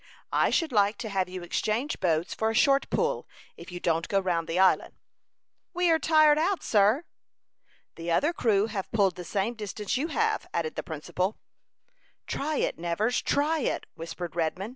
I should like to have you exchange boats for a short pull, if you don't go round the island." "We are tired out, sir." "The other crew have pulled the same distance you have," added the principal. "Try it, Nevers, try it," whispered Redman.